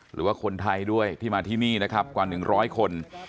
หรือว่าคนไทยด้วยที่มาที่นี่นะครับกว่า๑๐๐คน